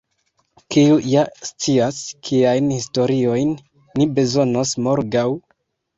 Kiu ja scias kiajn historiojn ni bezonos morgaŭ?